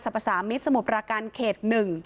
สรรพสามิตสมุทรประกันเขต๑